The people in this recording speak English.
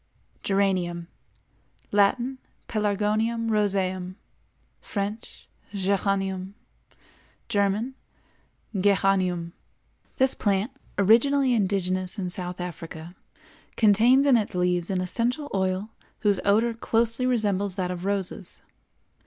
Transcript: GERANIUM. Latin—Pelargonium roseum; French—Géranium; German—Geranium. This plant, originally indigenous in South Africa, contains in its leaves an essential oil whose odor closely resembles that of roses.